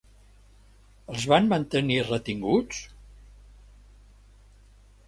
Els van mantenir retinguts?